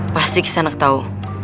pasti kisanak tahu